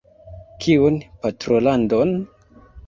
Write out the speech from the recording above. Kiun patrolandon?